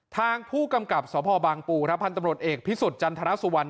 ทางผู้กำกับสพบางปูครับพันธุ์ตำรวจเอกพิสุทธิจันทรสุวรรณ